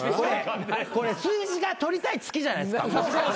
これ数字が取りたい月じゃないですか。